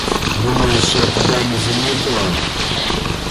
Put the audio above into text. Думаешь я тебя не заметила?